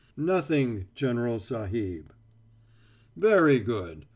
] "Nothing, General Sahib." "Very good.